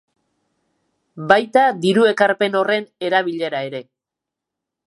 Baita diru ekarpen horren erabilera ere.